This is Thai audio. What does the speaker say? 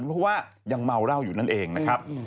เพราะว่ายังเมาเหล้าอยู่นั่นเองนะครับ